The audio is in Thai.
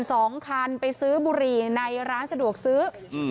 ๔คน๒คันไปซื้อบุหรี่ในร้านสะดวกซื้อ